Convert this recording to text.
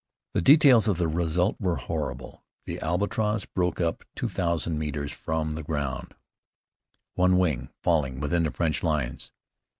The details of the result were horrible. The Albatross broke up two thousand metres from the ground, one wing falling within the French lines.